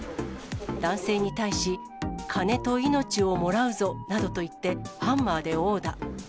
男性に対し、金と命をもらうぞなどと言って、ハンマーで殴打。